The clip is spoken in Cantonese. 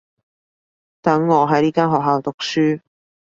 等我喺呢間學校讀書